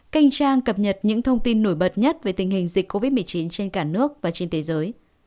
kênh trang cập nhật những thông tin nổi bật nhất về tình hình dịch covid một mươi chín trên cả nước và trên thế giới